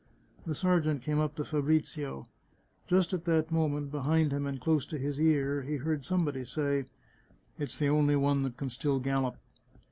The sergeant came up to Fabrizio. Just at that moment, behind him and close to his ear, he heard somebody say, " It's the only one that can still gallop."